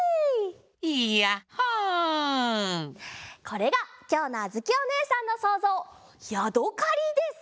これがきょうのあづきおねえさんのそうぞう「ヤドカリ」です！